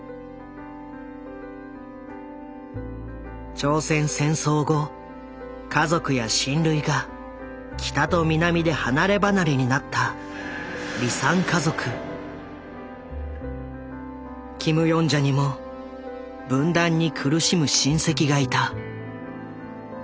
朝鮮戦争後家族や親類が北と南で離れ離れになったキム・ヨンジャにも分断に苦しむ親戚がいた。